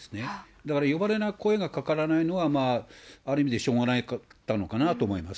だから呼ばれない、声がかからないのは、ある意味でしょうがなかったのかなと思います。